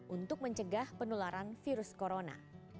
untuk mencegah penularan virus corona